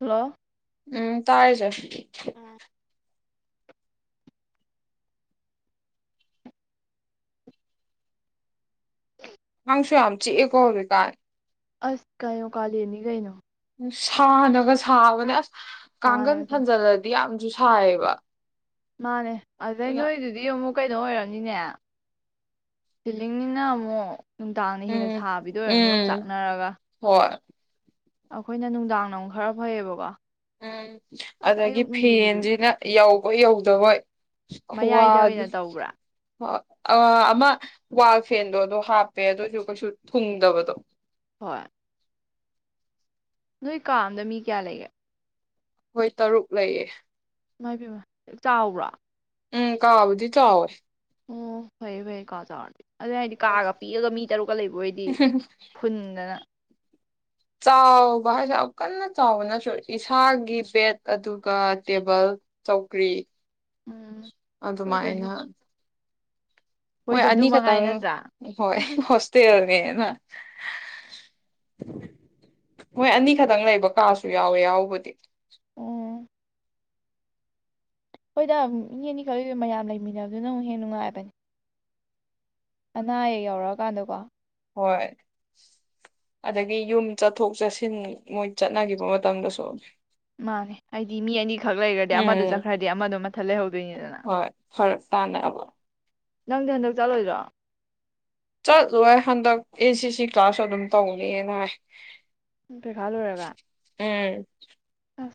Hello ꯎꯝ ꯇꯥꯏꯌꯦ ꯆꯦ [unintelligible] ꯀꯥꯡꯁꯨ ꯌꯥꯝ ꯆꯤꯛꯑꯦꯀꯣ ꯍꯧꯖꯤꯛꯀꯥꯟ ꯑꯁ ꯀꯩꯅꯣ ꯀꯥꯂꯦꯟꯅꯤ ꯀꯩꯅꯣ꯫ ꯁꯥꯅꯒ ꯁꯥꯕꯅꯦ ꯀꯥꯡꯒꯟ ꯁꯥꯔꯒ ꯈꯟꯖꯟꯂꯗꯤ ꯌꯥꯝ ꯁꯥꯌꯦꯕꯥ꯫ ꯃꯥꯅꯦ ꯑꯗꯩꯅꯣꯏꯗꯨꯗꯤ ꯑꯃꯨꯛ ꯀꯩꯅꯣ ꯑꯣꯏꯔꯝꯅꯤꯅꯦ ꯁꯤꯂꯤꯡꯅꯤꯅ ꯑꯃꯨꯛ ꯅꯨꯡꯗꯥꯡꯅ ꯍꯦꯟꯅ ꯎꯝ ꯁꯥꯕꯤꯗ ꯑꯣꯏꯔꯝꯅꯤ ꯑꯣꯝ ꯎꯝ ꯆꯥꯛꯅꯔꯒ꯫ ꯍꯣꯏ ꯑꯩꯈꯣꯏꯅ ꯅꯨꯡꯗꯥꯡ ꯅ ꯑꯃꯨꯛ ꯈꯔ ꯐꯩꯌꯦꯕꯀꯣ꯫ ꯎꯝ ꯑꯁ ꯑꯗꯒꯤ ꯑꯌꯨꯛ ꯅꯨꯡꯊꯤꯟꯒꯤꯗꯤ ꯐꯦꯟꯁꯤꯅ ꯌꯥꯎ ꯕꯣꯏ ꯌꯧꯗꯕꯣꯏ꯫ ꯃꯌꯥꯏꯗ ꯈꯨꯋꯥꯗꯤ ꯑꯣꯏꯅ ꯇꯧꯕ꯭ꯔꯥ ꯑ ꯑꯃ ꯋꯥꯜ ꯐꯦꯟꯗꯣ ꯑꯗꯨ ꯍꯥꯞꯄꯦ ꯑꯗꯨꯁꯨ ꯀꯩꯁꯨ ꯊꯨꯡꯗꯕꯗꯣ꯫ ꯍꯣꯏ꯫ ꯅꯣꯏ ꯀꯥ ꯑꯝꯗ ꯃꯤ ꯀꯌꯥ ꯂꯩꯒꯦ? ꯈꯣꯏ ꯇꯔꯨꯛ ꯂꯩꯌꯦ꯫ ꯏꯃꯥꯏꯄꯦꯝꯃꯥ ꯆꯥꯎꯕ꯭ꯔꯥ? ꯎꯝ ꯀꯥꯕꯨꯗꯤ ꯆꯥꯎꯏ꯫ ꯑꯣ ꯐꯩꯌꯦ ꯐꯩꯌꯔ ꯀꯥ ꯆꯥꯎꯔꯗꯤ꯫ ꯑꯗꯨ ꯍꯥꯏꯗꯤ ꯀꯥꯒ ꯄꯤꯛꯑꯒ ꯃꯤ ꯇꯔꯨꯛꯀ ꯂꯩꯕ ꯑꯣꯏꯗꯤ ꯐꯨꯟꯗꯅ ꯆꯥꯎꯕ ꯍꯥꯏꯁꯦ ꯌꯥꯝ ꯀꯟꯅ ꯆꯥꯎꯕꯅꯁꯨ ꯏꯁꯥꯒꯤ ꯕꯦꯠ ꯑꯗꯨꯒ ꯇꯦꯕꯜ, ꯆꯧꯀ꯭ꯔꯤ ꯎꯝ ꯑꯗꯨ ꯃꯥꯏꯅꯥ ꯍꯣꯏ ꯍꯣꯏꯗ ꯑꯗꯨ ꯑꯅꯤ ꯃꯉꯥꯏ ꯈꯛꯇꯪ ꯅꯠꯇ꯭ꯔꯥ ꯍꯣꯏ ꯍꯣꯁꯇꯦꯜ ꯅꯦꯅ ꯍꯣꯏ ꯑꯅꯤ ꯈꯛꯇꯪ ꯂꯩꯕ ꯀꯥꯁꯨ ꯌꯥꯎꯋꯦ ꯌꯥꯎꯕꯗꯤ꯫ ꯑꯣ ꯍꯣꯏꯗ ꯃꯤ ꯑꯅꯤ ꯈꯛ ꯃꯌꯥꯝ ꯂꯩꯃꯤꯟꯅꯕꯗꯨꯅ ꯑꯃꯨꯛ ꯍꯦꯟꯅꯥ ꯅꯨꯡꯉꯥꯏꯕꯅꯦ꯫ ꯑꯅꯥ ꯑꯌꯦꯛ ꯌꯧꯔꯛꯑꯀꯥꯟꯗꯀꯣ꯫ ꯍꯣꯏ ꯑꯗꯒꯤ ꯌꯨꯝ ꯆꯠꯊꯣꯛ ꯆꯠꯁꯤꯟ ꯃꯣꯏ ꯆꯠꯅꯈꯤꯕ ꯃꯇꯝꯗꯁꯨ ꯃꯥꯅꯦ ꯍꯥꯏꯗꯤ ꯃꯤ ꯑꯅꯤꯈꯛ ꯂꯩꯔꯗꯤ ꯑꯃꯗꯣ ꯎꯝ ꯆꯠꯈ꯭ꯔꯗꯤ ꯑꯃꯗꯣ ꯃꯊꯟ ꯂꯩꯍꯧꯗꯣꯏꯅꯤꯗꯅ꯫ ꯍꯣꯏ ꯐꯔꯛ ꯇꯥꯅꯕ ꯅꯪꯗꯤ ꯍꯟꯗꯛ ꯆꯠꯂꯣꯏꯗ꯭ꯔꯣ? ꯆꯠꯂꯣꯏ ꯍꯟꯗꯛ ꯑꯦ ꯁꯤ ꯁꯤ ꯀ꯭ꯂꯥꯁꯁꯨ ꯑꯗꯨꯝ ꯇꯧꯅꯦꯅ ꯍꯥꯏ꯫ ꯄꯩꯈꯥꯥ ꯂꯣꯏꯔꯒ [inaudible] ꯑꯥ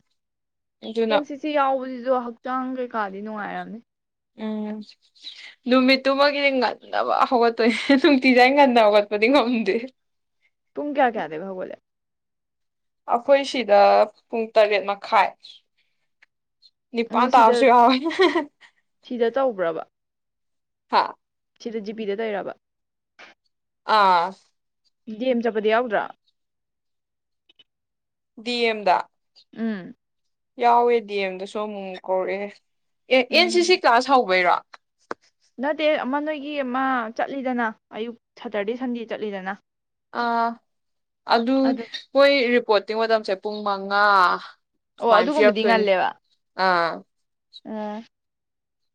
ꯑꯗꯨꯅ ꯑꯦꯟ ꯁꯤ ꯁꯤ ꯌꯥꯎꯕ ꯑꯗꯣ ꯍꯛꯆꯥꯡ ꯀꯩꯀꯥꯗꯤ ꯅꯨꯡꯉꯥꯏꯔꯝꯅꯤ ꯫ ꯎꯝ ꯅꯨꯃꯤꯠꯇꯨꯃꯗꯤ ꯉꯝꯅꯕ ꯍꯧꯒꯠꯇꯣꯏꯅꯦ ꯅꯨꯡꯇꯤꯖꯥꯏ ꯉꯟꯅ ꯍꯧꯒꯠꯄꯗꯤ ꯉꯝꯗꯦ꯫ ꯄꯨꯡ ꯀꯌꯥ- ꯀꯌꯥꯗꯒ ꯍꯧꯒꯠꯂꯤ? ꯑꯩꯈꯣꯏ ꯁꯤꯗ ꯄꯨꯡ ꯇꯔꯦꯠ ꯃꯈꯥꯏ ꯑꯣ ꯅꯤꯄꯥꯟ ꯁꯤꯗ ꯇꯥꯕꯥꯁꯨ ꯋꯥꯎꯏ꯫ ꯁꯤꯗ ꯇꯧꯕ꯭ꯔꯕ ꯍꯥꯥ ꯁꯤꯗ ꯖꯤꯄꯤꯗ ꯇꯩꯔꯕ ꯑꯥ ꯗꯦꯝ ꯆꯠꯄꯗꯤ ꯌꯥꯎꯗ꯭ꯔꯣ ꯗꯤꯑꯦꯝꯗꯥ ꯎꯝ ꯌꯥꯎꯋꯦꯗꯤ ꯗꯦꯝꯗꯁꯨ ꯑꯃꯨꯛ ꯀꯧꯔꯛꯑꯦ ꯑꯦ ꯑꯦꯟ ꯁꯤ ꯁꯤ ꯎꯝ ꯀ꯭ꯂꯥꯁ ꯍꯧꯕꯩꯔꯣ ꯅꯠꯇꯦ ꯑꯃ ꯅꯣꯏꯒꯤ ꯑꯃ ꯆꯠꯂꯤꯗꯅ ꯑꯌꯨꯛ ꯁꯇꯔꯗꯦ ꯁꯟꯗꯦ ꯆꯠꯂꯤꯗꯅ ꯑ ꯑꯗꯨ ꯍꯣꯏ ꯄꯣꯇꯤꯡ ꯃꯇꯝꯁꯦ ꯄꯨꯡ ꯃꯉꯥ ꯑꯣ ꯁꯨꯃꯥꯏꯅ ꯑꯗꯨꯒꯨꯝꯕꯗꯤ ꯄꯤꯔꯛꯇꯣꯏꯅꯤ ꯉꯜꯂꯦꯕ ꯑꯥ ꯑ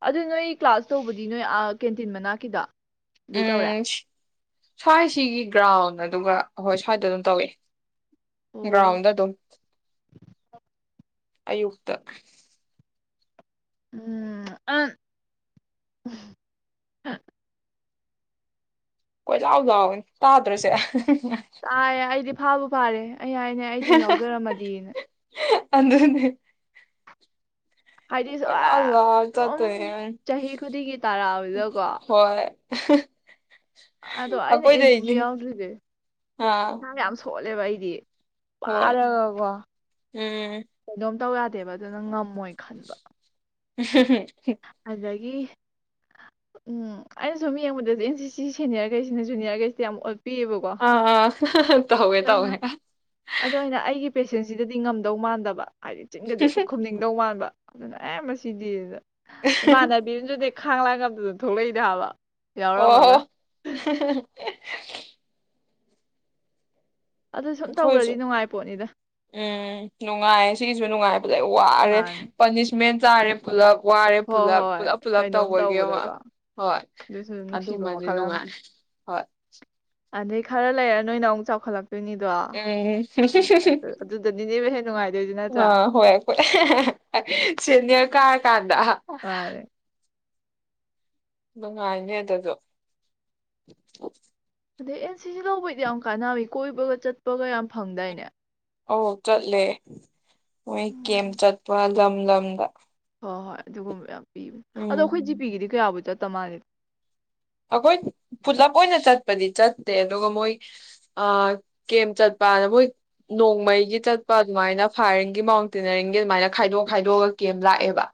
ꯑꯗꯨ ꯅꯣꯏ ꯀ꯭ꯂꯥꯁ ꯇꯧꯕꯗꯤ ꯅꯣꯏ ꯑ ꯀꯦꯟꯇꯤꯟ ꯃꯅꯥꯛꯀꯤꯗꯣ ꯑꯗꯨ ꯇꯧꯔꯦ ꯎꯝ ꯁ꯭ꯋꯥꯏꯁꯤꯒꯤ ꯒ꯭ꯔꯥꯎꯟ ꯑꯗꯨꯒ ꯍꯣꯏ ꯁ꯭ꯋꯥꯏꯗ ꯑꯗꯨꯝ ꯇꯧꯋ ꯑꯣ ꯒ꯭ꯔꯥꯎꯟꯗ ꯑꯗꯨꯝ ꯑꯌꯨꯛꯇ ꯎꯝ ꯑ ꯀꯣꯏ ꯂꯥꯎ ꯂꯥꯎꯏ ꯇꯥꯗ꯭ꯔꯣꯁꯦ ꯐꯕꯨ ꯐꯔꯦ ꯑꯩ ꯍꯥꯏꯅ ꯑꯩ ꯑꯗꯨꯝ ꯌꯥꯎꯖꯔꯝꯃꯗꯤ ꯑꯗꯨꯅꯦ ꯍꯥꯏꯗꯤ ꯑꯗꯨꯝ ꯆꯍꯤ ꯈꯨꯗꯤꯡꯒꯤ ꯇꯥꯔꯛꯑꯕꯅꯤꯅ ꯀꯣ [unintelligible] ꯑꯗꯣ ꯑꯩꯅ ꯑꯦꯟ ꯁꯤꯖꯤ ꯑꯩꯈꯣꯏꯗꯩꯅꯤ ꯌꯥꯎꯗ꯭ꯔꯤꯁꯦ ꯑꯥ ꯊꯣꯠꯂꯦꯕ ꯑꯩꯗꯤ ꯄꯔ ꯍꯣꯏ ꯔꯒ ꯀꯣ ꯎꯝ ꯇꯦꯕ ꯑꯗꯨꯅ ꯉꯝꯃꯣꯏ ꯈꯟꯕ [unintelligible] ꯑꯗꯩ ꯒꯤ ꯎꯝ ꯑꯩꯅ ꯁꯨꯝ ꯌꯦꯡꯕꯗꯗꯤ ꯑꯦꯟ ꯁꯤ ꯁꯤ ꯁꯦꯅꯤꯌꯔꯈꯩꯁꯤꯅ ꯖꯨꯅꯤꯌꯔꯈꯩꯁꯤꯗ ꯌꯥꯝ ꯑꯣꯠ ꯑꯥ ꯇꯧꯋꯦ ꯇꯧꯋꯦ ꯑꯗꯨ ꯑꯩꯅ ꯑꯩꯒꯤ ꯄꯦꯁꯦꯟꯁꯤꯗꯗꯤ ꯉꯝꯗꯧ ꯃꯥꯟꯗꯕ ꯍꯥꯏꯗꯤ ꯆꯤꯟꯒꯁꯦ ꯍꯦꯛꯇ ꯈꯨꯝꯅꯤꯡꯗꯧ ꯃꯥꯟꯕ ꯑꯗꯨꯅ ꯑꯦ ꯃꯁꯤꯗꯤ ꯏꯃꯥꯟꯗꯔꯕꯤꯔꯁꯨ ꯈꯥꯡꯂꯥꯡ ꯉꯞꯇꯗ ꯊꯣꯛꯂꯛꯏꯗ ꯍꯥꯕ ꯑꯣ ꯍꯣ ꯑꯗꯨ ꯁꯨꯝ ꯑꯩꯈꯣꯏꯁꯨ ꯇꯧꯈ꯭ꯔꯗꯤ ꯅꯨꯡꯉꯥꯏ ꯄꯣꯠꯅꯤꯗ ꯎꯝ ꯅꯨꯡꯉꯥꯏꯌꯦ ꯁꯤꯒꯤꯁꯨ ꯅꯨꯡꯉꯥꯏꯕꯗ ꯋꯥꯔꯦ ꯃꯥꯅꯤ ꯄꯥꯅꯤꯁꯃꯦꯟ ꯆꯔꯦ ꯄꯨꯂꯞ ꯋꯥꯔꯦ ꯍꯣꯏ ꯄꯨꯂꯞ ꯍꯣꯏ ꯄꯨꯂꯞ ꯄꯨꯂꯞ ꯀꯩꯅꯣꯝ ꯇꯧꯕꯒꯤ ꯑꯃ ꯇꯧꯕꯗꯀꯣ ꯍꯣꯏ ꯑꯗꯨꯁꯨ ꯅꯨꯡꯁꯤꯕ ꯑꯗꯨꯃꯗꯤ ꯃꯈꯜ ꯑꯃꯅꯤ ꯅꯨꯡꯉꯥꯏ ꯍꯣꯏ ꯑꯗꯩ ꯈꯔ ꯂꯩꯔꯦ ꯅꯣꯏꯅ ꯑꯃꯨꯛ ꯆꯥꯎꯈꯠꯂꯛꯄꯦ ꯎꯝ ꯁꯁ ꯁꯁ ꯗꯤ ꯑ ꯍꯣꯏꯣꯏ ꯁꯦꯅꯤꯌ ꯀꯥ ꯇ ꯗ ꯃꯥꯅꯦ ꯕꯉꯥꯏꯅꯦ ꯑꯗꯨꯗꯣ ꯑꯗꯩ ꯑꯦꯟ ꯁꯤꯁ ꯂꯧꯕꯩꯗꯤ ꯌꯥꯝ ꯀꯥꯟꯅꯃꯤ ꯀꯣꯏꯕꯒ ꯆꯠꯄꯒ ꯌꯥꯝ ꯐꯪꯗꯏꯅꯦ ꯑꯣ ꯆꯠꯂꯦ ꯍ ꯎꯝ ꯦꯦꯝ ꯆꯠꯄꯜ ꯂꯝꯝ ꯂꯝ ꯂꯝꯗ ꯍꯣꯏ ꯍꯣꯏ ꯑꯗꯨꯒꯨꯝꯕ ꯌꯥꯝ ꯑꯗꯣ ꯎꯝ ꯑꯩꯈꯣꯏ ꯖꯤꯄꯤꯒꯤꯗꯤ ꯀꯌꯥꯕꯨꯖꯣ ꯇ ꯑꯩꯈꯣꯏ ꯄꯨꯂꯞ ꯑꯣꯏꯅ ꯆꯠꯄꯗꯤ ꯆꯠꯇꯦ ꯑꯗꯨꯒ ꯃꯣꯏ ꯀꯦꯝ ꯆꯠꯄꯅ ꯃꯣꯏ ꯅꯣꯡꯃꯩꯒꯤ ꯆꯠꯄ ꯑꯗꯨꯃꯥꯏꯅ ꯐꯥꯏꯔꯤꯡꯒꯤ ꯃꯥꯎꯟꯇꯦꯅꯔꯤꯡꯒꯤ ꯑꯗꯨꯃꯥꯏꯅ ꯈꯥꯏꯗꯣꯛ ꯈꯥꯏꯗꯣꯛꯑꯒ ꯀꯦꯝ ꯂꯥꯛꯑꯦꯕ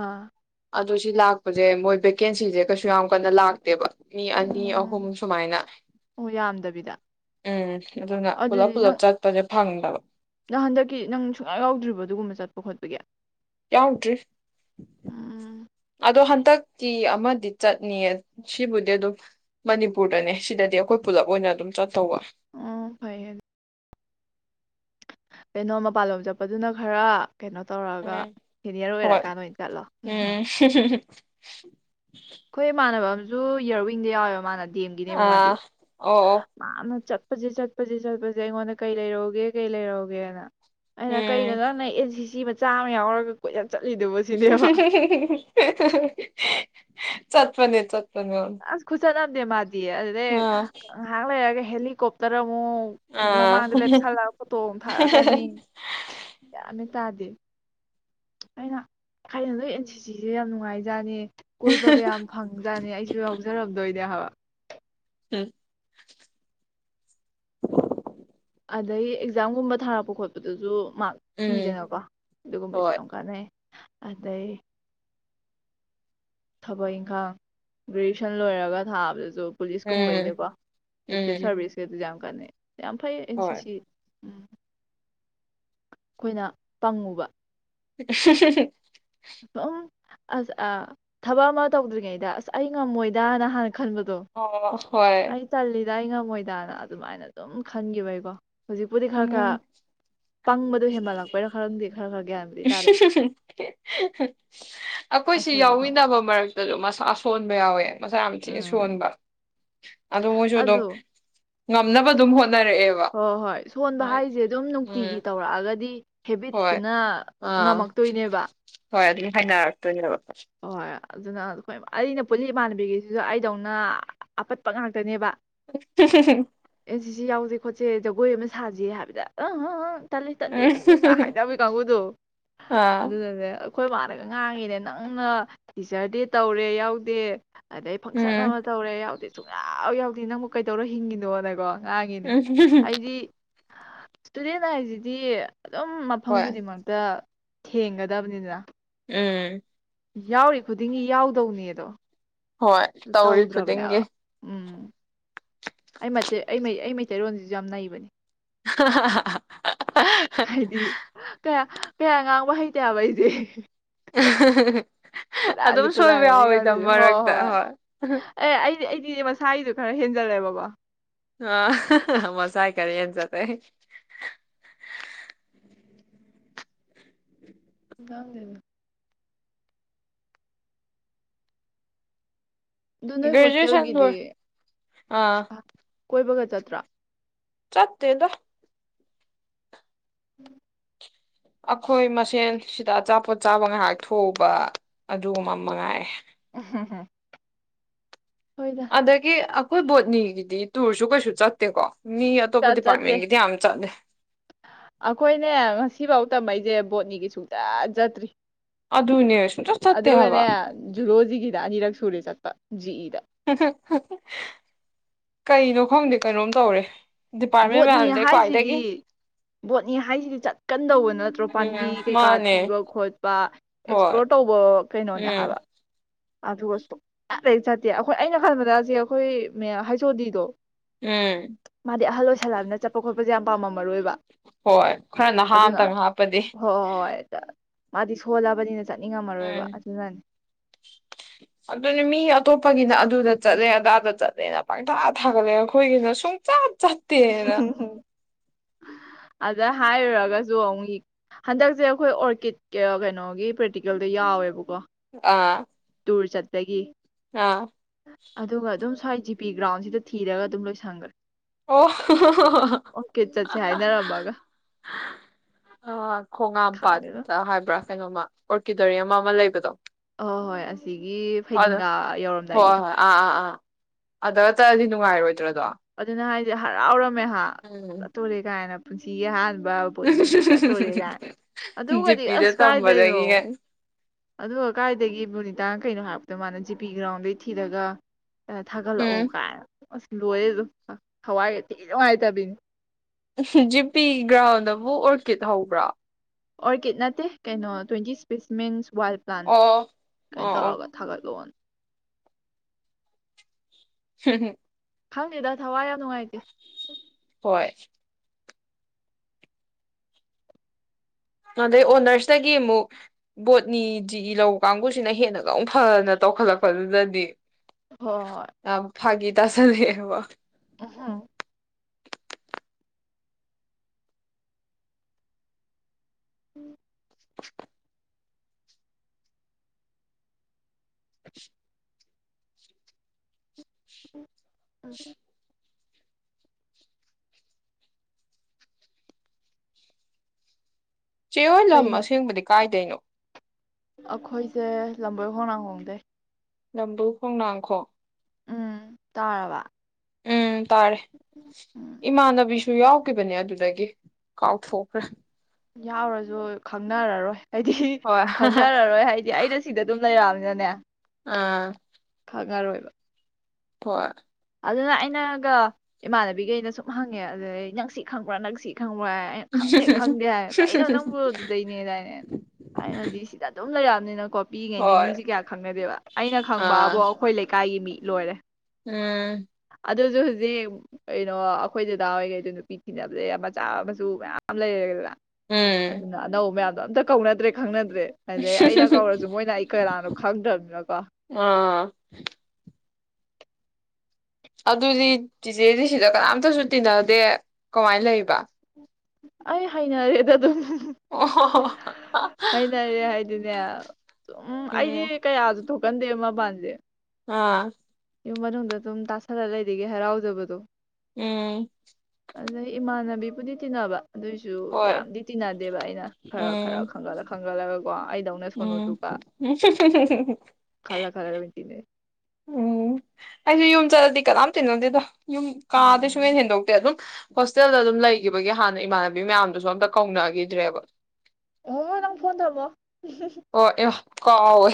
ꯑꯥ ꯑꯗ ꯁꯤ ꯂꯥꯛ ꯍꯧꯖꯤꯦ ꯃꯣꯏ ꯚꯦꯀꯦꯟꯁꯤꯁꯦ ꯀꯩꯁꯨ ꯌꯥꯝ ꯀꯟꯅ ꯂꯥꯛ ꯕ ꯃꯤ ꯑꯅꯤ ꯑꯍꯨꯝ ꯎꯝ ꯁꯨꯃꯥꯏꯅ ꯑꯣ ꯌꯥꯝꯗꯕꯤꯗ ꯎꯝ ꯑꯗꯨꯅ ꯄꯨꯂꯞ ꯑꯗꯨꯗꯤ ꯄꯨꯂꯞ ꯅꯪ ꯆꯠꯄꯁꯦ ꯊꯪꯗꯕ ꯅꯪ ꯍꯟꯗꯛꯀꯤ ꯅꯪ ꯁꯨꯡꯌꯥ ꯌꯥꯎꯗ꯭ꯔꯤꯕ ꯑꯗꯨꯒꯨꯝꯕ ꯆꯠꯄ ꯈꯣꯠꯄꯒꯤ ꯌꯥꯎꯔꯤ ꯎꯝ ꯑꯗꯣ ꯍ ꯍꯥꯛꯇꯛꯀꯤ ꯑꯃꯗꯤ ꯆꯠꯅꯤ ꯁꯤꯕꯨꯗꯤ ꯑꯗꯨꯝ ꯃꯅꯤꯄꯨꯔꯗꯅꯦ ꯁꯤꯗꯗꯤ ꯑꯩꯈꯣꯏ ꯄꯨꯂꯞ ꯑꯣꯏꯅ ꯑꯗꯨꯝ ꯆꯠꯇꯧꯕ ꯎꯝ ꯐꯩꯌꯦ ꯀꯩꯅꯣ ꯃꯄꯥꯟꯂꯣꯝ ꯆꯠꯄꯗꯨꯅ ꯈꯔ ꯀꯩꯅꯣ ꯇꯧꯔꯒ ꯎꯝ ꯁꯦꯅꯤꯌꯔ ꯍꯣꯏ ꯑꯣꯏꯔꯀꯥꯟꯗ ꯑꯣꯏꯅ ꯆꯠꯂꯣ ꯎꯝꯝ ꯎꯝ [unintelligible] ꯑꯩꯈꯣꯏ ꯏꯃꯥꯟꯅꯕ ꯑꯝꯨ ꯏꯔꯋꯤꯡꯗ ꯌꯥꯎꯋꯦꯕ ꯃꯥꯟꯅꯗ ꯗꯦꯝꯒꯤꯅꯦꯕ ꯃꯥꯗꯤ ꯑꯥ ꯑꯣ ꯑꯣ ꯃꯥꯅ ꯆ ꯆꯠꯄꯁꯤ ꯆꯠꯄꯁꯤ ꯆꯠꯄꯁꯤꯦ ꯑꯩꯉꯣꯟꯗ ꯀꯩ ꯂꯩꯔꯧꯒꯦ ꯀꯩ ꯂꯩꯔꯧꯒꯦꯅ ꯑꯩꯅ ꯎꯝ ꯀꯩꯅꯗꯥꯅꯁꯤ ꯆꯤ ꯃꯆꯥ ꯑꯃ ꯌꯥꯎꯔꯒ ꯀꯣꯏ [unintelligible] [unintelligible] ꯆꯠꯄꯅꯦ ꯆꯠ ꯑꯁ ꯈꯨꯆꯠ ꯑꯝꯅꯦ ꯃꯥꯗꯤ ꯑꯗꯨꯗꯩ ꯑꯥ ꯉꯍꯥꯛ ꯂꯩꯔꯒ ꯍꯦꯂꯤꯀꯣꯄꯇꯔ ꯑ ꯃꯨꯛ ꯑꯥ ꯃꯃꯥꯡꯗ ꯂꯦꯞꯁꯜꯂ ꯐꯣꯇꯣ ꯑꯃꯨꯛ ꯊꯥꯔꯛꯒꯅꯤ ꯌꯥꯝ ꯇꯥꯗꯦ ꯑꯩꯅ ꯀꯩꯅꫭ ꯅꯣꯏ ꯑꯦꯟ ꯁꯤ ꯁꯤꯖꯦ ꯌꯥꯝ ꯅꯨꯡꯉꯥꯏꯖꯥꯠꯅꯤ ꯀꯣꯏꯕ ꯀ ꯌꯥꯝ ꯐꯪꯖꯥꯠꯅꯤ ꯑꯩꯖꯨ ꯌꯥꯎꯖꯔꯝꯗꯣꯏꯅꯦ ꯍꯥꯏꯕ [inaudible] ꯎꯝ ꯑꯗꯩ ꯑꯦꯛꯖꯥꯝꯒꯨꯝꯕ ꯊꯥꯔꯛꯄ ꯈꯣꯠꯄꯗꯖꯨ ꯃꯥꯔꯛ ꯄꯤꯗꯅꯀꯣ ꯑꯗꯨꯒꯨꯝꯕꯩꯁꯨ ꯍꯣꯏ ꯌꯥꯝ ꯀꯥꯟꯅꯩ ꯑꯦ ꯑꯗꯩ ꯊꯕꯛ ꯏꯪꯈꯥꯡ ꯒ꯭ꯔꯦꯖꯨꯁꯟ ꯂꯣꯏꯔꯒ ꯊꯥꯕꯗꯁꯨ ꯑꯗꯨ ꯄꯨꯂꯤꯁ ꯎꯝ ꯀꯨꯝꯕꯩꯅꯦꯀꯣ ꯑꯦꯛꯇꯤꯚ ꯎꯝ ꯁꯥꯔꯚꯤꯁ ꯈꯩꯗꯁꯨ ꯌꯥꯝ ꯀꯥꯟꯅꯩ ꯌꯥꯝ ꯑꯦꯟ ꯁꯤ ꯍꯣꯏ ꯁꯤ ꯎꯝ ꯈꯣꯏꯅ ꯄꯪꯉꯨꯕ [unintelligible] ꯁꯨꯝ ꯑꯁ ꯑ ꯊꯕꯛ ꯑꯃ ꯇꯧꯗ꯭ꯔꯤꯉꯩꯗ ꯑꯁ ꯑꯩ ꯉꯝꯃꯣꯏꯗ ꯅ ꯍꯥꯟꯅ ꯑꯣ ꯍꯣꯏ ꯏꯗꯥꯥꯏ ꯉꯝꯃꯣꯏꯗꯥꯅ ꯑꯗꯨꯃꯥꯏꯅ ꯑꯗꯨꯝ ꯈꯟꯈꯤꯕꯩꯀꯣ ꯍꯧꯖꯤꯛꯄꯨꯗꯤ ꯈꯔ ꯈꯔ ꯎꯝ ꯄꯪꯕꯗꯣ ꯍꯦꯟꯃꯜꯂꯄꯩꯔꯥ ꯈꯔꯪꯗꯤ ꯈꯔ ꯈꯔ ꯒ꯭ꯌꯥꯟꯕꯨꯗꯤ ꯇꯥꯔꯦꯛꯑꯦ ꯑꯈꯣꯏꯁꯤ ꯌꯥꯎꯃꯤꯟꯅꯕ ꯃꯔꯛꯇꯁꯨ ꯃꯁꯥ ꯁꯣꯟꯕ ꯌꯥꯎꯋꯦ ꯃꯁꯥ ꯌꯥꯝ ꯊꯤꯅ ꯎꯝ ꯁꯣꯟꯕ ꯑꯗꯣ ꯃꫭꯏꯁꯨ ꯗꯨꯝ ꯉꯝꯅꯕ ꯑꯗꯨꯝ ꯍꯣꯠ ꯍꯣ ꯍꯣꯏ ꯁꯣꯟꯕ ꯍꯥꯏꯁꯦ ꯑꯗꯨꯝ ꯅꯨꯡꯇꯤꯒꯤ ꯎꯝ ꯇꯧꯔꯛꯑꯒꯗꯤ ꯍꯣꯏ ꯍꯦꯕꯤꯠꯇꯨꯅ ꯑꯥ ꯉꯝꯃꯛꯇꯣꯏꯅꯦꯕ ꯍꯣꯏ ꯑꯗꯨꯝ ꯍꯥꯏꯅꯔꯛꯇꯣꯏꯅꯦꯕ ꯍꫭꯏ ꯑꯗꯨꯅ ꯑꯈꫭꯏ [unintelligible] ꯑꯩꯅ ꯄꯨꯜꯂꯤ ꯏꯃꯥꯟꯅꯕꯤꯒꯩꯁꯤꯁꯨ ꯑꯩꯗꯧꯅ ꯑ ꯑꯄꯠꯄ ꯉꯥꯛꯇꯅꯦꯕ ꯑꯦꯟ ꯁꯤ [inaudible] ꯁꯤ ꯌꯥꯎꯁꯦ ꯈꯣꯠꯁꯦ ꯖꯒꯣꯏ ꯑꯃ ꯁꯥꯖꯦ ꯍꯥꯏꯕꯗ ꯑꯪ ꯇꯠꯂꯤ ꯇꯠꯂꯤ ꯎꯝ ꯑꯗꯨ ꯅꯨꯡꯅ ꯍꯥꯏꯗꯒꯤ ꯀꯥꯡꯕꯨꯗꯣ ꯑꯥ ꯑꯗꯨꯅꯅꯦ ꯑꯩꯈꯣꯏ ꯄꯥꯔꯒ ꯉꯥꯡꯉꯔꯦꯅ ꯎꯅ ꯇꯤꯆꯔꯗꯤ ꯇꯧꯔꯦ ꯌꯥꯎꯗꯦ ꯑꯗꯩ ꯐꯪꯁꯟ ꯎꯝ ꯑꯃ ꯇꯧꯔꯦ ꯌꯥꯎꯗꯦ ꯁꯨꯡꯌꯥꯎ ꯌꯥꯎꯗꯦ ꯅꯪꯕꯨ ꯀꯩꯧꯔ ꯍꯤꯡꯉꯤꯅꯣꯅꯦꯀꯣ ꯉꯥꯡꯉꯦꯅꯦ ꯎꯝ ꯑꯩꯗꯤ ꯏꯁꯇꯨꯗꯦꯟ ꯍꯥꯏꯤꯗꯤ ꯑꯗꯨꯝ ꯃꯐꯝ ꯍꯣꯏ ꯈꯨꯗꯤꯡꯃꯛꯇ ꯊꯦꯡꯒꯗꯕꯅꯤꯅ ꯎꯝ ꯌꯥꯎꯔꯤ ꯈꯨꯗꯤꯡꯒꯤ ꯌꯥꯎꯗꯧꯅꯦ ꯑꯗꯣ ꯍꯣꯏ ꯇꯧꯔꯤ ꯈꯨꯗꯤꯡꯒꯤ ꯇꯧꯗ꯭ꯔꯕꯅꯦꯕ ꯎꯝ ꯑꯩ ꯑꯩ ꯃꯩꯇꯩꯔꯣꯟꯁꯤꯁꯨ ꯌꯥꯝ ꯅꯩꯕꯅꯤ ꯍꯥꯏꯗꯤ ꯀꯌꯥ ꯀꯦ ꯉꯥꯡꯕ ꯍꯩꯇꯦꯕ ꯑꯩꯗꯤ [inaudible] ꯑꯗꯨꯝ ꯆꯂꯥꯒ ꯁꯣꯏꯕ ꯇꯨꯔꯛꯑꯒꯅꯤ ꯌꯥꯎꯋꯤꯗ ꯀꯗꯗꯤ ꯍꯣꯏ ꯃꯔꯛꯇ ꯍꯣꯏ ꯑꯦ ꯑꯩ ꯑꯩꯗꯤꯗꯤ ꯃꯁꯥꯒꯤꯗꯣ ꯈꯔ ꯍꯦꯟꯖꯜꯂꯦꯕꯀꯣ ꯑꯥ ꯃꯁꯥꯥꯏ ꯈꯔꯤꯅ ꯆꯇ ꯀꯗꯕ ꯑꯗꯨ ꯅꯣꯏ ꯭ꯔꯦꯖꯨꯌꯦꯁꯟ ꯍꯣꯁꯇꯦꯜꯒꯤꯗꯤ ꯑꯥ ꯑ, ꯀꯣꯏꯕꯒ ꯆꯠꯇ꯭ꯔꯥ ꯆꯠꯦꯗ ꯎꯝ ꯑꯩꯈꯣꯏ ꯃꯁꯦꯟ ꯁꯤꯗ ꯑꯆꯥꯄꯣꯠ ꯆꯥꯕ ꯉꯥꯏꯍꯥꯛ ꯊꯣꯛꯎꯕ ꯑꯗꯨꯒꯨꯝꯕ ꯃꯉꯥꯏ [inaudible] ꯑꯗꯒꯤ ꯑ ꯈꯣꯏ ꯕꯣꯠꯅꯤꯒꯤꯗꯤ ꯇꯨꯔꯁꯨ ꯀꯩꯁꯨ ꯆꯠꯇꯦꯀꯣ꯫ ꯃꯤ ꯠ ꯑꯇꯣꯞꯄ ꯆꯠꯇꯦ ꯗꯤꯄꯥꯔꯠꯃꯦꯟꯒꯤꯗꯤ ꯌꯥꯝ ꯆꯠꯂꯦ ꯑꯩꯈꯣꯏꯅꯦ ꯉꯁꯤꯐꯧ ꯇꯝꯃꯛꯏꯁꯦ ꯕꯣꯠꯅꯤꯒꯤ ꯁꯨꯡꯆꯠ ꯆꯠꯇ꯭ꯔꯤ ꯑꯗꯨꯅꯦ꯫ ꯁꯨꯡꯆꯠ ꯆꯠꯇꯦ ꯍꯥꯏꯕ ꯑꯗꯨꯒꯅꯦ ꯖꯨꯂꯣꯖꯤꯒꯤꯗ ꯑꯅꯤꯔꯛ ꯁꯨꯨꯔꯦ ꯆꯠꯄ ꯖꯤ ꯏ ꯗ ꯀꯩꯅꯣ ꯈꯪꯗꯦ ꯀꯩꯅꯣꯝ ꯇꯧꯔꯦ꯫ ꯗꯤꯄꯥꯔꯠꯃꯦꯟ ꯕꯣꯠꯅꯤ ꯃꯌꯥꯝꯁꯦ ꯈ꯭ꯋꯥꯏꯗꯒꯤ ꯍꯥꯏꯁꯤꯗꯤ ꯕꯣꯠꯅꯤ ꯍꯥꯏꯁꯤꯗꯤ ꯆꯠꯀꯟꯗꯧꯕ ꯅꯠꯇ꯭ꯔꯣ ꯎꯝ ꯄꯥꯝꯕꯤ ꯀꯩꯀꯥ ꯃꯥꯅꯦ ꯊꯤꯕ ꯈꯣꯠꯄ ꯍꯣꯏ ꯑꯦꯛꯁꯄ꯭ꯂꯣꯔ ꯇꯧꯕ ꯀꯩꯅꯣꯅꯦ ꯎꯝ ꯍꯥꯏꯕ꯫ ꯑꯗꯨꯒ ꯁꯨꯡꯆꯠ ꯍꯦꯛ ꯆꯠꯇꯦ ꯑꯩꯈꯣꯏ ꯑꯩꯅ ꯈꯟꯕꯗ ꯑꯖꯦ ꯑꯩꯈꯣꯏ ꯃꯦ ꯑ ꯍꯩꯁ ‌ꯑꫭ ꯗꯤꯗꫭ ꯎꯝ ꯗꯤ ꯑꯍꯜ ꯑꯣꯏꯁꯜꯂꯕꯅ ꯆꯠꯄ ꯈꯣꯠꯄꯁꯦ ꯌꯥꯝ ꯄꯥꯝꯃꯝ ꯃꯔꯣꯏꯕ꯫ ꯍꯣꯏ ꯈꯔ ꯅꯍꯥ ꯑꯝꯇꯪ ꯍꯥꯞꯄꯗꯤ꯫ ꯍꯣꯏ ꯍꯣꯏ ꯍꯣꯏ ꯃꯥꯗꯤ ꯁꯣꯜꯂꯕꯅꯤꯅ ꯆꯠꯅꯤꯡꯉꯝꯃꯔꯣꯏꯕ ꯑꯗꯨꯅꯅꯤ꯫ ꯑꯗꯨꯅꯦ ꯃꯤ ꯑꯇꯣꯞꯄꯒꯤꯅ ꯑꯗꯨꯗ ꯆꯠꯂꯦ ꯑꯗꯥꯗ ꯆꯠꯂꯦꯅ ꯄꯪꯊꯥ ꯊꯥꯒꯠꯂꯦ ꯑꯈꯣꯏꯒꯤꯅ ꯁꯨꯡꯆꯠ ꯆꯠꯇꯦꯑꯅ ꯑꯗ ꯍꯥꯏꯔꯨꯔꯒꯁꯨ ꯑꯃꯨꯛ, ꯏꯀ ꯍꯟꯗꯛꯁꯦ ꯑꯩꯈꯣꯏ ꯑꯣꯔꯀꯤꯠ ꯀ ꯀꯩꯅꯣꯒꯤ ꯄ꯭ꯔꯦꯛꯇꯤꯀꯦꯜꯗꯣ ꯌꯥꯎꯋꯦꯕꯀꯣ꯫ ꯑꯥ ꯇꯨꯔ ꯆꯠꯄꯒꯤ ꯑꯥ ꯑꯗꯨꯒ ꯑꯗꯨꯝ ꯁ꯭ꯋꯥꯏ ꯖꯤ ꯄꯤ ꯒ꯭ꯔꯥꯎꯟꯁꯤꯗ ꯊꯤꯔꯒ ꯑꯗꯨꯝ ꯂꯣꯏꯁꯟꯒ‌꯭ꯔꯦ꯫ ꯑꯣ ꯆꯠꯁꯦ ꯍꯥꯏꯅꯔꯝꯃꯒ ꯑ ꯈꯪꯗꯦꯗ ꯈꯣꯡꯉꯥꯝꯄꯥꯥꯠꯇ ꯍꯥꯏꯕ꯭ꯔꯥ ꯀꯩꯅꯣꯃ ꯑꯣꯔꯀꯤꯗꯣꯔꯤꯎꯃ ꯑꯃ ꯂꯩꯕꯗꯣ ꯑ ꯍꯣꯏ ꯑꯁꯤꯒꯤ ꯑꯗ ꯐꯩꯗꯤꯡꯒꯥ ꯍꯣꯏ ꯌꯧꯔꯝꯗꯥꯏꯒꯤꯗꯣ꯫ ꯍꯣꯏ ꯑꯥ ꯑꯥ ꯑꯥ ꯑꯗꯒ ꯆꯠꯂꯗꯤ ꯅꯨꯡꯉꯥꯏꯔꯣꯏ꯫ ꯗ꯭ꯔꯗꯣ ꯗꯤ ꯍꯔꯥꯎ ꯔꯝ ꯃꯦꯍꯥ ꯆꯠꯇꯧꯔꯦ ꯀꯥꯏꯅ ꯄꯨꯟꯁꯤꯒꯤ ꯑꯍꯥꯟ ꯕ ꯕꯣꯠꯅꯤꯒꯤ ꯆꯠꯇꯣꯔꯦ ꯒꯥꯏ, ꯑꯗꯨꯒꯗꯤ ꯖꯤꯄꯤꯗ ꯑꯁ ꯇꯝꯕꯗꯒꯤ ꯀꯥꯏꯗꯩꯅꯣ, ꯑꯗꯨꯒ ꯀꯥꯏꯗꯒꯤ ꯕꯨꯅꯤꯇꯥꯅ ꯀꯩꯅꯣ ꯍꯥꯏꯔꯛꯄ ꯗꯨ ꯃꯥꯅ ꯖꯤ ꯄꯤ ꯒ꯭ꯔꯥꯎꯟꯗꯩ ꯊꯤꯔꯒ ꯎꯝ ꯊꯥꯒꯠꯂꯛꯑꯣ ꯀꯥꯏꯅ ꯑꯁ ꯂꯣꯏꯌꯦ ꯗꯨ ꯍ ꯊꯋꯥꯏꯒ ꯊꯤꯅ ꯅꯨꯡꯉꯥꯏꯇꯕꯤꯅꯤ꯫ ꯖꯤ ꯄꯤ ꯒ꯭ꯔꯥꯎꯟꯗꯕꯨ ꯑꯣꯔꯀꯤꯠ ꯍꯧꯕ꯭ꯔꫭ꯫ ꯑꯣꯔꯀꯤꯠ ꯅꯠꯇꯦ ꯀꯩꯅꯣ ꯇ꯭ꯋꯦꯟꯇꯤ ꯁ꯭ꯄꯦꯁꯤꯃꯦꯟꯁ ꯋꯥꯜ ꯄ꯭ꯂꯥꯟ ꯑꯣ ꯀꯩꯅꯣ ꯑꯣ ꯑꯣ ꯇꯧꯔꯒ ꯊꯥꯒꯠꯂꫭꯅ ꯍꯨ ꯍꯨꯝ ꯈꯪꯗꯦꯗꯥ ꯊꯋꯥꯏ ꯌꯥꯝ ꯅꯨꯡꯉꯥꯏꯇꯦ ꯍꯣꯏ ꯑꯗꯩ ꯑꯣꯅꯔꯁꯇꯒꯤ ꯃꯨꯛ ꯕꯣꯠꯅꯤ ꯖꯤ ꯂꯧꯕ ꯀꯥꯡꯕꯨꯁꯤꯅ ꯍꯦꯟꯅꯒ ꯑꯃꯨꯛ ꯐꯅꯒ ꯇꯧꯈꯠꯂꯛꯄꯗꯨꯗꯗꯤ ꯍꫭ ꯍꫭ ꯌꯥꯝ ꯍꯣꯏ ꯐꯥꯒꯤ ꯇꯥꯁꯜ ꯂꯛꯑꯦꯕ [unintelligible] [inaudible] ꯎꯝ ꯎꯝ ꯆꯦꯍꫭꯏ ꯂꯝ ꯀꯩ ꯑꯁꯦꯡꯕꯗꯤ ꯀꯥꯏꯗꯩꯅꯣ ꯑꯩꯈꯣꯏꯁꯦ ꯂꯝꯕꯣꯏ ꯈꯣꯡꯅꯥꯡ ꯍꯣꯡꯗꯩ ꯂꯝꯕꯨ ꯈꯣꯡꯅꯥꯡꯈꯣ ꯎꯝ ꯇꯥꯔꯕ ꯎꯝ ꯇꯥꯔꯦ ꯎꯝ ꯏꯃꯥꯟꯅꯕꯤꯁꯨ ꯌꯥꯎ ꯊꯣꯛꯈꯤꯕꯅꯦ ꯑꯗꯨꯗꯒꯤ ꯀꯥꯎꯊꯣꯛꯈ꯭ꯔꯦ ꯌꯥꯎꯔꯁꯨ ꯈꯪꯅꯔꯔꯣꯏ ꯍꯥꯏꯗꯤ ꯍꯣꯏ ꯈꯪꯅꯔꯔꯣꯏ ꯍꯥꯏꯗꯤ ꯑꯩꯅ ꯁꯤꯗ ꯑꯗꯨꯝ ꯂꯩꯔꯛꯑꯃꯤꯅ [unintelligible] ꯑꯥ ꯈꯪꯉꯔꯣꯏꯕ ꯍꯣꯏ ꯑꯗꯨꯅ ꯑꯩꯅꯒ ꯏꯃꯥꯟꯅꯕꯤꯈꯩꯅ ꯁꯨꯝ ꯍꯪꯉꯦ ꯑꯗꯨꯗꯩ ꯅꯪ ꯁꯤ ꯈꯪꯕ꯭ꯔꯥ ꯅꯪ ꯁꯤ ꯈꯪ ꯈꯪꯕ꯭ꯔ ꯍꯥꯏ ꯑꯩꯅ ꯈꯪꯗꯦ ꯈꯪꯗꯦ ꯍꯥꯏ ꯀꯩꯅꯣ ꯅꯪꯕꯨ ꯑꯗꯨꯗꯩꯅꯦꯗꯥꯏꯅꯦ ꯑꯩꯅꯗꯤ ꯁꯤꯗ ꯑꯗꯨꯝ ꯂꯩꯔꯛ [unintelligible] ꯄꯤꯛꯏꯉꯩꯗꯩ ꯍꯣꯏ ꯃꯤꯁꯦ ꯀꯌꯥ ꯈꯪꯅꯗꯦꯕ ꯑꯩꯅ ꯈꯪꯕꯕꯣ ꯑꯥ ꯑꯩꯈꯣꯏ ꯂꯩꯀꯥꯏꯒꯤ ꯃꯤ ꯂꯣꯏꯔꯦ ꯎꯝ ꯑꯗꯨꯁꯨ ꯍꯧꯖꯤꯛ ꯀꯩꯅꯣ ꯑꯩꯈꯣꯏ ꯗꯥꯗꯥ ꯍꯣꯏꯈꯩꯗ ꯅꯨꯄꯤ ꯊꯤꯅꯕꯗ ꯃꯆꯥ ꯃꯆꯨ ꯃꯌꯥꯝ ꯂꯩꯔꯦꯗꯅ ꯎꯝ ꯑꯗꯨꯅ ꯑꯅꯧꯕ ꯃꯌꯥꯝ ꯑꯝꯇ ꯀꯧꯅꯗꯔꯦ ꯈꯪꯅꯗ꯭ꯔꯦ ꯑꯗꯩ ꯑꯩꯅ ꯀꯧꯔꯁꯨ ꯃꯣꯏꯅ ꯑꯩ ꯀꯅꯥꯅꯣ ꯈꯪꯗ꯭ꯔꯕꯅꯤꯅꯀꯣ [unintelligible] ꯑꯗꯨꯗꯤ ꯆꯤꯆꯦꯗꯤ ꯁꯤꯗ ꯀꯅꯥꯝꯇꯁꯨ ꯇꯤꯟꯅꯗꯦ ꯀꯃꯥꯏꯅ ꯂꯩꯕ ꯑꯩ ꯍꯥꯏꯅꯔꯦꯗ ꯑꯗꯨꯝ ꯑꯣ ꯍꯩꯅꯔꯦ ꯍꯥꯏꯗꯤꯅꯦ ꯎꯝ ꯑꯩꯗꯤ ꯀꯌꯥꯁꯨ ꯊꯣꯛ ꯀꯟꯗꯦ ꯃꯥ ꯄꯥꯟꯖꯦ ꯑꯥ ꯌꯨꯝ ꯃꯅꯨꯡꯗ ꯑꯗꯨꯝ ꯇꯥꯁꯜꯂ ꯂꯩꯔꯤꯒꯦ ꯍꯔꯥꯎꯖꯕꯗꯣ ꯎꯝ ꯑꯗꯩ ꯏꯃꯥꯟꯅꯕꯤꯕꯨꯗꯤ ꯇꯤꯟꯅꯕ ꯑꯗꯨꯏꯁꯨ ꯍꯣꯏ ꯌꯥꯝꯗꯤ ꯇꯤꯟꯅꯗꯦꯕ ꯑꯩꯅ ꯈꯔ ꯈꯔ ꯎꯝ ꯈꯪꯒꯠꯂ ꯈꯪꯒꯠꯂꯒ ꯀꯣ ꯎꯝ ꯈꯜꯂ ꯈꯜꯂꯒ ꯑꯗꯨꯝ ꯇꯤꯟꯅꯩ ꯎꯝ ꯑꯩꯁꯨ ꯌꯨꯝ ꯆꯠꯂꯗꯤ ꯀꯅꯥꯝ ꯇꯤꯟꯅꯗꯦꯗꯣ ꯌꯨꯝ ꯎꯝ ꯀꯥꯗꯁꯨꯃꯅ ꯍꯦꯟꯗꯣꯛꯇꯦ ꯑꯗꯨꯝ ꯍꯣꯁꯇꯦꯜꯗ ꯑꯗꯨꯝ ꯂꯩꯈꯤꯕꯒꯤ ꯍꯥꯟꯅ ꯏꯃꯥꯟꯅꯕꯤ ꯃꯌꯥꯝꯗꯨꯁꯨ ꯑꯝꯇ ꯀꯧꯅꯈꯤꯗ꯭ꯔꯦꯕ ꯑꯕꯨꯉꯣ ꯅꯡ ꯐꯣꯟ ꯊꯥꯃꯣ ꯀꯥꯑꯣ